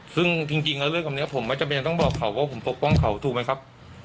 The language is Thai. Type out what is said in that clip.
ซึ่งจริงแล้วเรื่องแบบนี้ผมไม่จำเป็นต้องบอกเขาว่าผมปกป้องเขาถูกไหมครับ